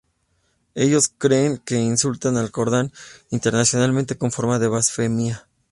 Ellos creen que insultar el Corán intencionalmente es una forma de blasfemia.